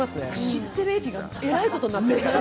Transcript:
知ってる駅がエラいことになってるから。